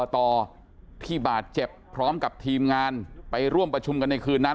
ต่อที่บาดเจ็บพร้อมกับทีมงานไปร่วมประชุมกันในคืนนั้น